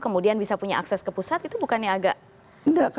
kemudian bisa punya akses ke pusat itu bukannya agak nggak